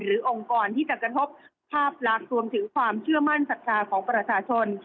หรือองค์กรที่จะกระทบภาพลากสวมถึงความเชื่อมั่นศักดาของประศาชน